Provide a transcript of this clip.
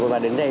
và đến đây